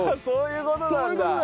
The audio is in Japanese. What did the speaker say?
そういう事なんだ。